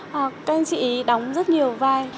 các anh chị đóng rất nhiều vai